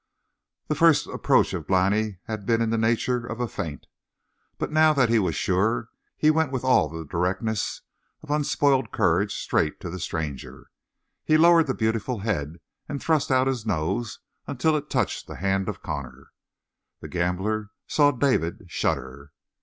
The first approach of Glani had been in the nature of a feint, but now that he was sure, he went with all the directness of unspoiled courage straight to the stranger. He lowered the beautiful head and thrust out his nose until it touched the hand of Connor. The gambler saw David shudder.